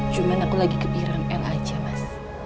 cuman aku lagi kepikiran el aja mas